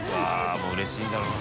もううれしいんだろうな。